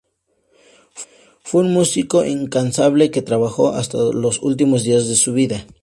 Fue un músico incansable, que trabajó hasta los últimos días de su vida.